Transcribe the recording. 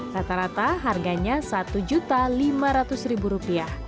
rata rata harganya rp satu lima ratus